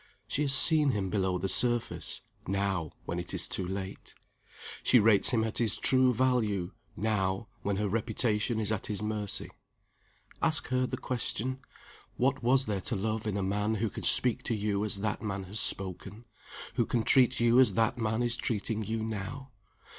She has seen him below the surface now, when it is too late. She rates him at his true value now, when her reputation is at his mercy. Ask her the question: What was there to love in a man who can speak to you as that man has spoken, who can treat you as that man is treating you now?